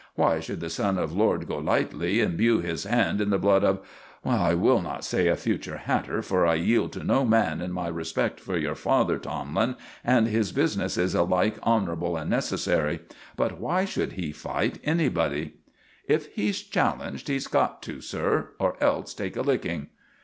"Why should the son of Lord Golightly imbue his hand in the blood of I will not say a future hatter, for I yield to no man in my respect for your father, Tomlin, and his business is alike honorable and necessary; but why should he fight anybody?" "If he's challenged he's got to, sir, or else take a licking."